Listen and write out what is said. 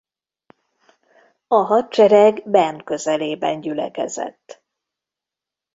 A hadsereg Bern közelében gyülekezett.